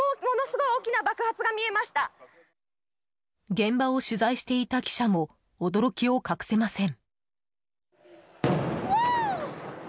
現場を取材していた記者も驚きを隠せません。